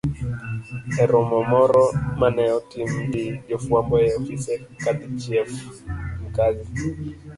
E romo moro ma ne otim gi jofwambo e ofise, Kadhi Chief Mkazi,